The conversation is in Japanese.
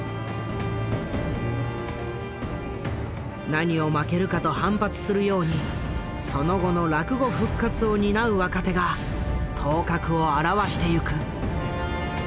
何を負けるかと反発するようにその後の落語復活を担う若手が頭角を現していく。